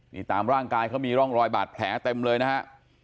นี่ตามร่างกายเขามีร่องรอยบาดแผลเต็มเลยนะฮะ